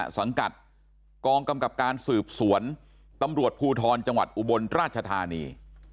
สังกัดกองกำกับการสืบสวนตำรวจภูทรจังหวัดอุบลราชธานี